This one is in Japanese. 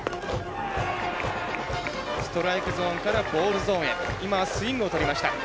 ストライクゾーンからボールゾーンへスイングをとりました。